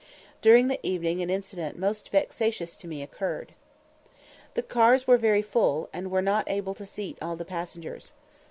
During the evening an incident most vexatious to me occurred. The cars were very full, and were not able to seat all the passengers.